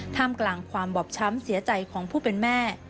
กลางความบอบช้ำเสียใจของผู้เป็นแม่